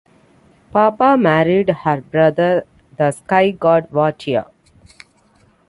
Papa married her brother, the sky god Vatea.